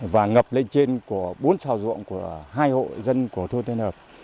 và ngập lên trên của bốn sào ruộng của hai hộ dân của thu tên hợp